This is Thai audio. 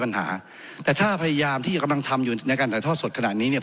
ปัญหาแต่ถ้าพยายามที่กำลังทำอยู่ในการถ่ายทอดสดขนาดนี้เนี่ย